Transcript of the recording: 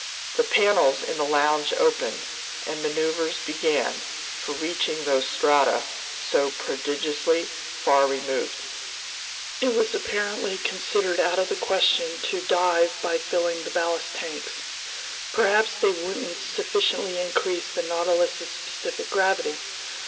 The panels in the lounge opened, and maneuvers began for reaching those strata so prodigiously far removed. It was apparently considered out of the question to dive by filling the ballast tanks. Perhaps they wouldn't sufficiently increase the Nautilus's specific gravity.